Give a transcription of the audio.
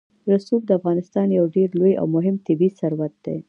رسوب د افغانستان یو ډېر لوی او مهم طبعي ثروت دی.